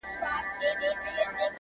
چي لا به نوري څه کانې کیږي!